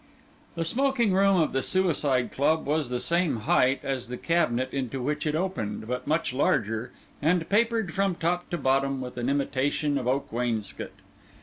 The smoking room of the Suicide Club was the same height as the cabinet into which it opened, but much larger, and papered from top to bottom with an imitation of oak wainscot.